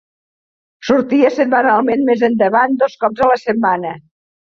Sortia setmanalment, més endavant dos cops a la setmana.